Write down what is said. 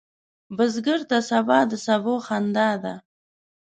بزګر ته سبا د سبو خندا ده